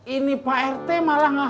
ini pak rt malah